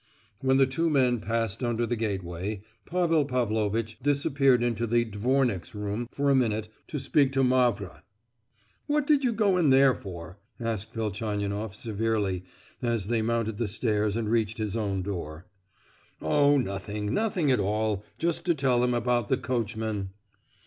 When the two men passed under the gateway, Pavel Pavlovitch disappeared into the 'dvornik's' room for a minute, to speak to Mavra. "What did you go in there for?" asked Velchaninoff severely as they mounted the stairs and reached his own door. "Oh—nothing—nothing at all,—just to tell them about the coachman.